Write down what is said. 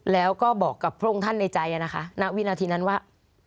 แล้วก็บอกกับพระองค์ท่านในใจนะคะณวินาทีนั้นว่า